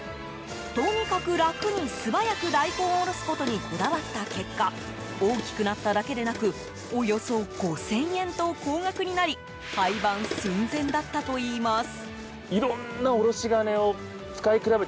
とにかく楽に、素早く大根を下ろすことにこだわった結果大きくなっただけでなくおよそ５０００円と高額になり廃番寸前だったといいます。